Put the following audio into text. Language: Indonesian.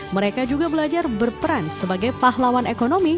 mereka juga belajar berperan sebagai pahlawan ekonomi